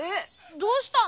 どうしたの？